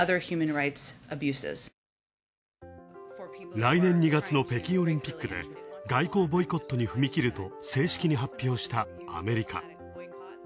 来年２月の北京オリンピックで、外交ボイコットに踏み切ると正式に発表したアメリカ。